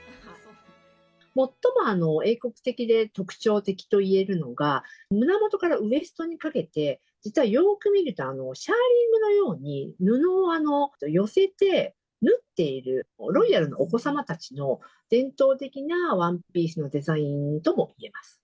最も英国的で特徴的といえるのが、胸元からウエストにかけて、実はよーく見ると、シャーリングのように布を寄せて縫っている、ロイヤルのお子様たちの伝統的なワンピースのデザインともいえます。